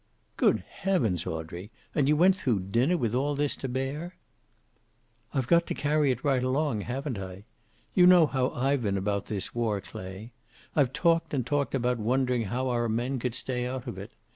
"Good heavens, Audrey. And you went through dinner with all this to bear!" "I've got to carry it right along, haven't I? You know how I've been about this war, Clay. I've talked and talked about wondering how our men could stay out of it.